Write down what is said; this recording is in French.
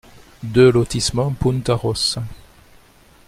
deux lotissement Punta Rossa